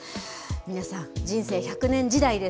皆さん、人生１００年時代です。